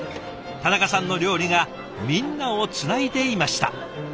田中さんの料理がみんなをつないでいました。